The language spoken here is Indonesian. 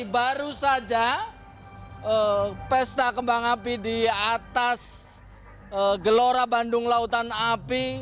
baru saja pesta kembang api di atas gelora bandung lautan api